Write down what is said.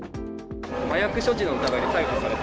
麻薬所持の疑いで逮捕された。